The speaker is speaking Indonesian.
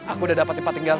aku udah dapetin pak tinggal